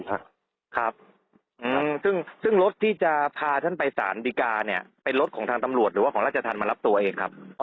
ครับครับซึ่งรถที่จะพาท่านไปสารดีกาเนี่ยเป็นรถของทางตำรวจหรือว่าของราชธรรมมารับตัวเองครับ